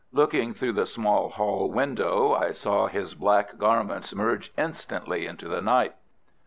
Looking through the small hall window, I saw his black garments merge instantly into the night.